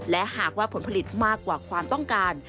และหากว่าผลผลิตมากกว่าความต้องการ